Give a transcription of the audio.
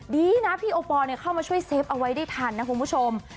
ดีนะพี่โอปอลเข้ามาช่วยเซฟเอาไว้ได้ทันนะคุณผู้ชม